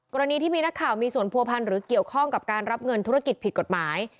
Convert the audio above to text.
กรณีที่มีนักข่าวมีส่วนผัวพันธ์หรือเกี่ยวข้องกับการรับเงินธุรกิจผิดกฎหมาย